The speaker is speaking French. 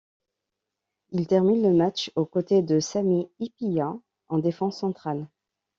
Il termine le match, aux côtés de Sami Hyypiä en défense centrale.